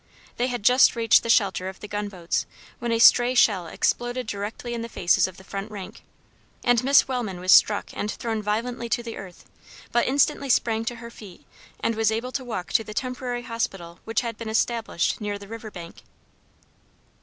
They had just reached the shelter of the gun boats when a stray shell exploded directly in the faces of the front rank, and Miss Wellman was struck and thrown violently to the earth, but instantly sprang to her feet and was able to walk to the temporary hospital which had been established near the river bank.